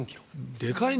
でかいね。